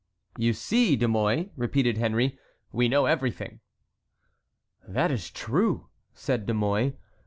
"You see, De Mouy," repeated Henry, "we know everything." "That is true," said De Mouy.